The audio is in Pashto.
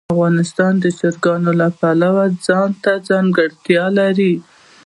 افغانستان د چرګان د پلوه ځانته ځانګړتیا لري.